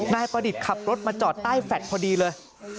นายประดิษฐ์ขับรถมาจอดใต้แฟลต์พอดีเลย